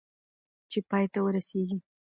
چې پای ته ورسېږي .